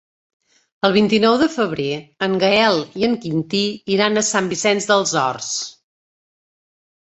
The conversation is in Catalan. El vint-i-nou de febrer en Gaël i en Quintí iran a Sant Vicenç dels Horts.